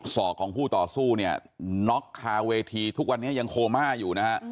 ศอกของผู้ต่อสู้เนี่ยน็อกคาเวทีทุกวันนี้ยังโคม่าอยู่นะฮะ